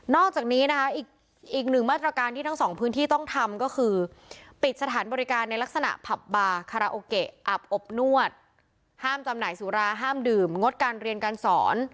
จากนี้นะคะอีกหนึ่งมาตรการที่ทั้งสองพื้นที่ต้องทำก็คือปิดสถานบริการในลักษณะผับบาคาราโอเกะอับอบนวดห้ามจำหน่ายสุราห้ามดื่มงดการเรียนการสอน